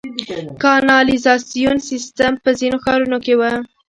د کانالیزاسیون سیستم په ځینو ښارونو کې و